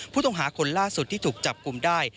ผู้ต้องหาคนล่าสุดที่ถูกจับกลุ่มได้